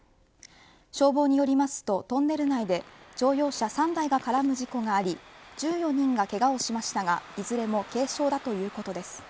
消防によりますと、トンネル内で乗用車３台が絡む事故があり１４人がけがをしましたがいずれも軽傷だということです。